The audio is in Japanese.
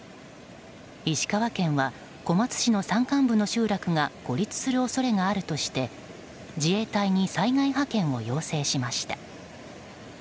石川県は小松市の山間部の集落が孤立する恐れがあるとして自衛隊に災害派遣を要請しました。